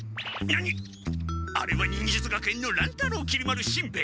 あれは忍術学園の乱太郎きり丸しんべヱ！